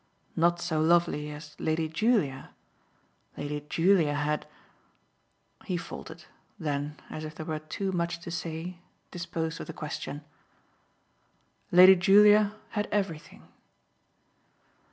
"Not so lovely as Lady Julia. Lady Julia had !" He faltered; then, as if there were too much to say, disposed of the question. "Lady Julia had everything."